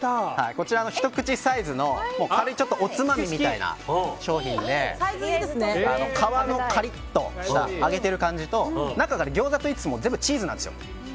こちら、ひと口サイズの軽いおつまみみたいな商品で皮のカリッとした揚げてる感じと中はギョーザといいつつも全部チーズなんですよ。